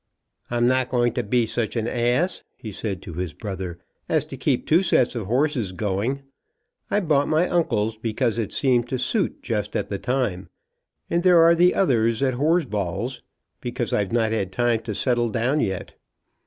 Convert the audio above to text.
"I'm not going to be such an ass," he said to his brother, "as to keep two sets of horses going. I bought my uncle's because it seemed to suit just at the time; and there are the others at Horsball's, because I've not had time to settle down yet.